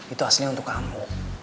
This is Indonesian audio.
itu aslinya untuk kamu